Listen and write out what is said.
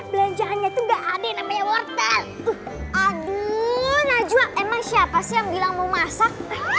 belanjaannya tidak ada namanya wortel aduh najwa emang siapa sih yang bilang mau masak